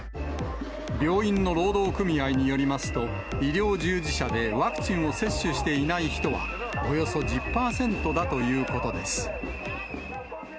病院の労働組合によりますと、医療従事者でワクチンを接種していない人は、およそ１０％だということです。